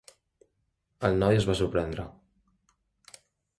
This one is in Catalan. El noi es va sorprendre.